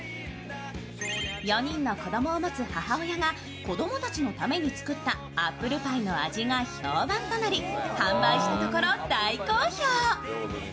４人の子供を持つ母親が子供たちのために作ったアップルパイの味が評判となり販売したところ、大好評。